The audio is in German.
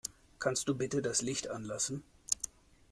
Kannst du bitte das Licht anlassen?